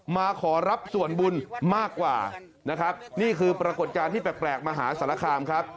มาขอรับส่วนบุญมากกว่านะครับนี่คือปรากฏการณ์ที่แปลกมหาสารคามครับ